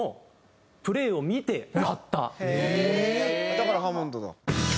だからハモンドだ。